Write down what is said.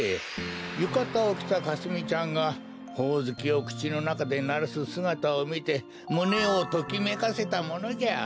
ゆかたをきたかすみちゃんがほおずきをくちのなかでならすすがたをみてむねをときめかせたものじゃ。